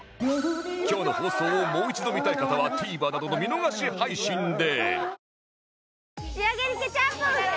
今日の放送をもう一度見たい方は ＴＶｅｒ などの見逃し配信で